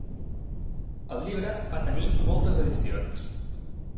El llibre va tenir moltes edicions.